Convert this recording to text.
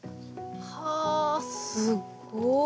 はぁすっごい。